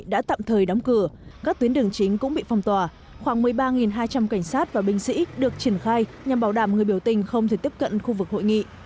đã tạm thời đóng cửa các tuyến đường chính cũng bị phong tỏa khoảng một mươi ba hai trăm linh cảnh sát và binh sĩ được triển khai nhằm bảo đảm người biểu tình không thể tiếp cận khu vực hội nghị